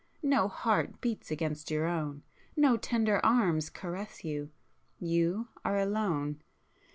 No heart beats against your own,—no tender arms caress you,—you are alone.